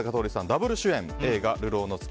ダブル主演、映画「流浪の月」